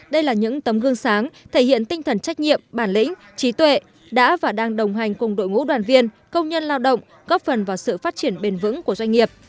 đây là những tấm gương sáng thể hiện tinh thần trách nhiệm bản lĩnh trí tuệ đã và đang đồng hành cùng đội ngũ đoàn viên công nhân lao động góp phần vào sự phát triển bền vững của doanh nghiệp